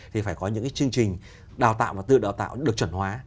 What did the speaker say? thì phải có những cái chương trình đào tạo và tự đào tạo được chuẩn hóa